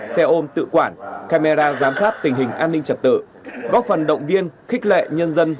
xe ôm tự quản camera giám sát tình hình an ninh trật tự góp phần động viên khích lệ nhân dân